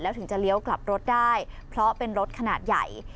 ถึงจะเลี้ยวกลับรถได้เพราะเป็นรถขนาดใหญ่